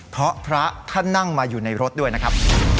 เพราะพระท่านนั่งมาอยู่ในรถด้วยนะครับ